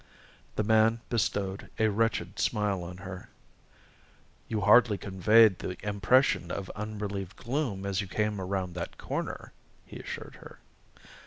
The man bestowed a wretched smile on her. "You hardly conveyed the impression of unrelieved gloom as you came around that corner," he assured her.